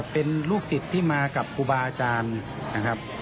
เป็นลูกศิษย์ที่มากับครูบาอาจารย์นะครับ